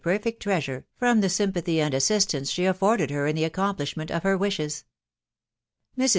2C6 perfect treasure, from the sympathy and assistance *he afforded her in the accomplishment of her wishes. Mrs.